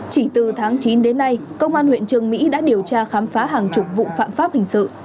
chỉ từ tháng chín đến nay công an huyện trường mỹ đã điều tra khám phá hàng chục vụ phạm pháp hình sự